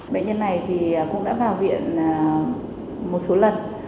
bệnh nhân này cũng đã vào viện một số lần